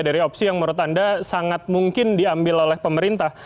dari opsi yang menurut anda sangat mungkin diambil oleh pemerintah